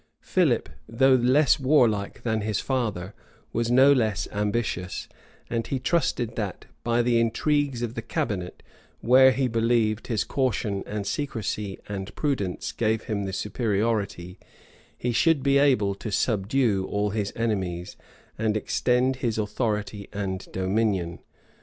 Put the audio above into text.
Philip, though less warlike than his father, was no less ambitious; and he trusted that, by the intrigues of the cabinet, where, he believed, his caution, and secrecy, and prudence gave him the superiority, he should be able to subdue all his enemies, and extend his authority and dominion.